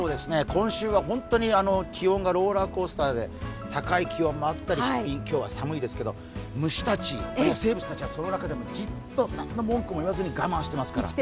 今週は本当に気温がローラーコースターで高い気温もあったり、今日は寒いですけど、虫たち、生物はじっと何の文句も言わずに我慢してますから。